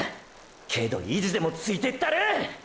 けど意地でもついてったる！！